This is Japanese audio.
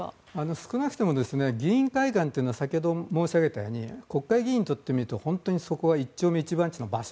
少なくとも議員会館というのは先ほど申し上げたように国会議員にとってみると一丁目一番地の場所。